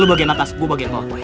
lu bagian atas gua bagian bawah poe